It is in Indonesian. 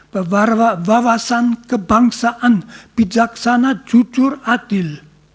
berwawasan kebangsaan bijaksana jujur adil